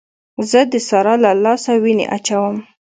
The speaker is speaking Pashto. زه د سارا له لاسه وينې اچوم.